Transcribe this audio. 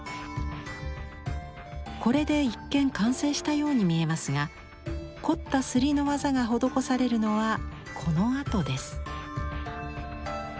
これで一見完成したように見えますが凝った摺りの技が施されるのはこのあとです。